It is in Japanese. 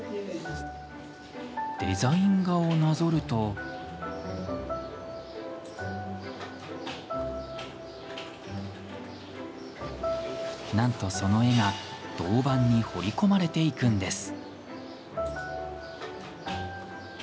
デザイン画をなぞるとなんと、その絵が銅板に彫り込まれていくんです。